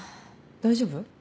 大丈夫？